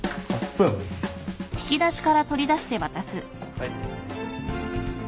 はい。